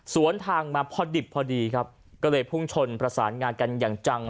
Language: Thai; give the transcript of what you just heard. สวนทางมาพอดิบพอดีครับก็เลยพุ่งชนประสานงานกันอย่างจัง